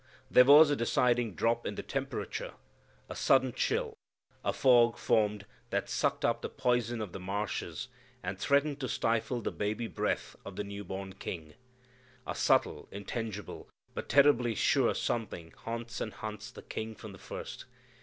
There was a decided drop in the temperature, a sudden chill, a fog formed that sucked up the poison of the marshes, and threatened to stifle the baby breath of the new born King. A subtle, intangible, but terribly sure something haunts and hunts the King from the first.